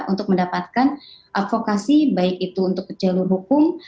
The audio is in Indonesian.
untuk mendapatkan advokasi baik itu untuk jalur hukum